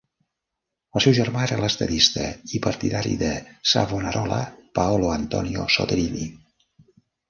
El seu germà era l'estadista i partidari de Savonarola, Paolo Antonio Soderini.